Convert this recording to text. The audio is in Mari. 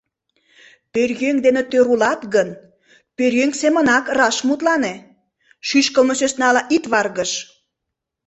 Пӧръеҥ дене тӧр улат гын, пӧръеҥ семынак раш мутлане, шӱшкылмӧ сӧснала ит варгыж.